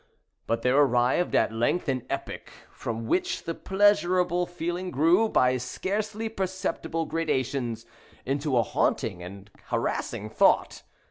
But there arrived at length an epoch, from which the pleasurable feeling grew, by scarcely perceptible gradations, into a haunting and harassing thought.